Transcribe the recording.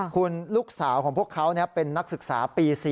คุณลูกสาวของพวกเขาเป็นนักศึกษาปี๔